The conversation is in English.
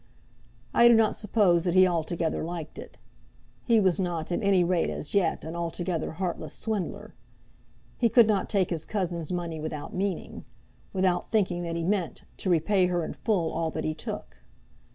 I do not suppose that he altogether liked it. He was not, at any rate as yet, an altogether heartless swindler. He could not take his cousin's money without meaning, without thinking that he meant, to repay her in full all that he took.